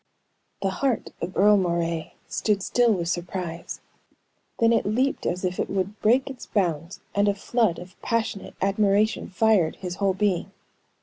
The heart of Earle Moray stood still with surprise, then it leaped as if it would break its bounds, and a flood of passionate admiration fired his whole being.